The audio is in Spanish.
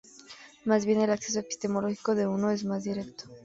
Más bien, el acceso epistemológico de uno es más directo.